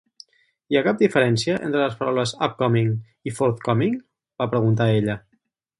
Hi ha cap diferència entre les paraules "Upcoming" i "forthcoming"?- va preguntar ella